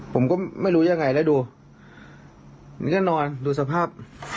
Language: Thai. ผมก็ไม่รู้ยังไงแล้วดูมันก็นอนดูสภาพ